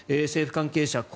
政府関係者